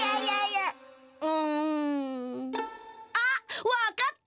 うん。あっわかった！